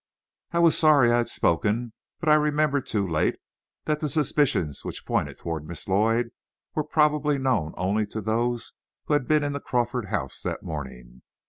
I was sorry I had spoken, but I remembered too late that the suspicions which pointed toward Miss Lloyd were probably known only to those who had been in the Crawford house that morning.